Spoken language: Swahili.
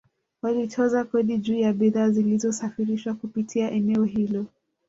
Walitoza kodi juu ya bidhaa zilizosafirishwa kupitia eneo hilo